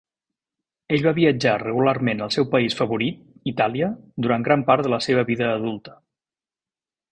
Ell va viatjar regularment al seu país favorit, Itàlia, durant gran part de la seva vida adulta.